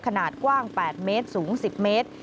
ขนาดกว้าง๘เมตรสูง๑๐เมตร